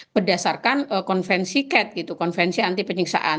berdasarkan konvensi cat gitu konvensi anti penyiksaan